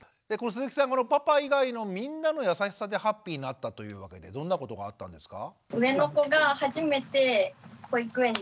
鈴木さんパパ以外のみんなの優しさでハッピーになったというわけでどんなことがあったんですか？